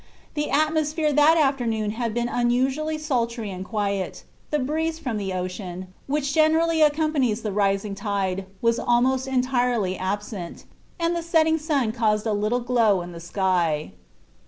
The atmosphere that afternoon had been unusually sultry and quiet, the breeze from the ocean, which generally accompanies the rising tide, was almost entirely absent, and the setting sun caused a little glow in the sky.